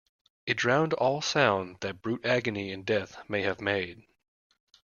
It drowned all sound that brute agony and death may have made.